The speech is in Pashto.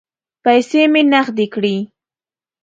پیسې مې نغدې کړې.